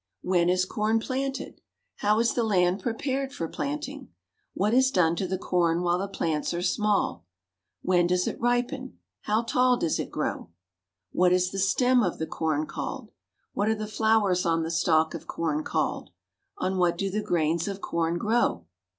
When is corn planted? How is the land prepared for planting? What is done to the corn while the plants are small? When does it ripen? How tall does it grow? [Illustration: SEVERAL KINDS OF GRAIN.] What is the stem of the corn called? What are the flowers on the stalk of corn called? On what do the grains of corn grow?